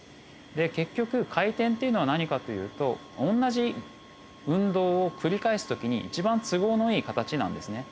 で結局回転っていうのは何かというと同じ運動を繰り返す時に一番都合のいい形なんですね。